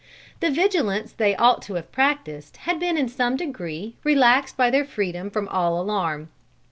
The vigilance they ought to have practiced had been in some degree relaxed by their freedom from all alarm.